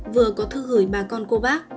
vừa có thư gửi bà con cô bác